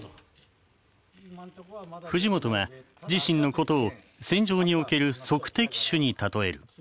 藤本は自身のことを戦場における測的手に例える。